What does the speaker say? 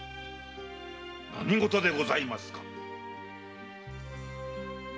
何ごとでございますか？